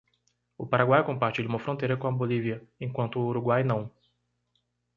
O Paraguai compartilha uma fronteira com a Bolívia?, enquanto o Uruguai não.